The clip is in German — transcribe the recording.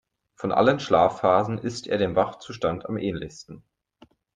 Von allen Schlafphasen ist er dem Wachzustand am ähnlichsten.